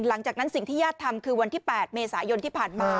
หลังจากที่ญาติทำคือวันที่๘เมษายนที่ผ่านมา